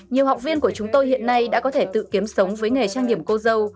nhiều học viên của chúng tôi hiện nay đã có thể tự kiếm sống với nghề trang điểm cô dâu